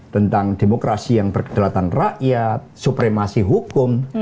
tentang demokrasi yang berkedalatan rakyat supremasi hukum